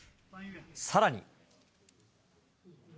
さらに。